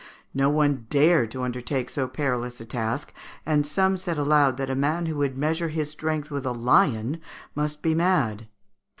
No one dared to undertake so perilous a task, and some said aloud that the man who would measure his strength with a lion must be mad.